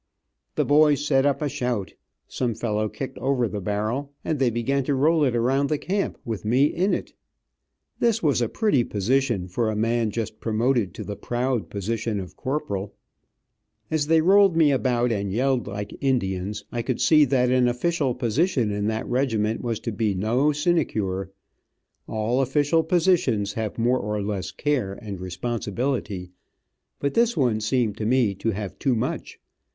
The boys set up a shout, some fellow kicked over the barrel, and they began to roll it around the camp with me in it. [Illustration: Just promoted to the proud position of Corporal 141] This was a pretty position for a man just promoted to the proud position of Corporal. As they rolled me about and yelled like Indians, I could see that an official position in that regiment was to be no sinecure. All official positions have more or less care and responsibility, but this one seemed to me to have too much.